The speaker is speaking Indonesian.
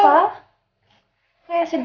kayak sedih gitu